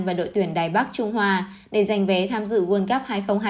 và đội tuyển đài bắc trung hoa để giành vé tham dự world cup hai nghìn hai mươi ba